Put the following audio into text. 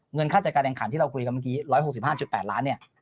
ค่าจัดการแห่งขันที่เราคุยกันเมื่อกี้๑๖๕๘ล้านเนี่ย